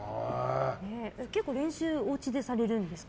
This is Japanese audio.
結構、練習おうちでされるんですか？